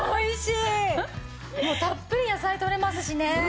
たっぷり野菜取れますしね。